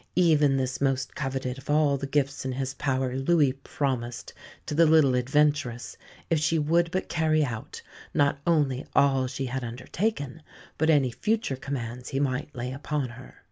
Even this most coveted of all the gifts in his power Louis promised to the little adventuress if she would but carry out, not only all she had undertaken, but any future commands he might lay upon her.